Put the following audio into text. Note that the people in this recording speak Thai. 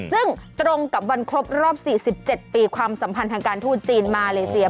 ซึ่งตรงกับวันครบรอบ๔๗ปีความสัมพันธ์ทางการทูตจีนมาเลเซีย